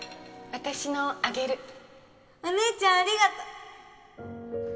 私のあげるお姉ちゃんありがとう！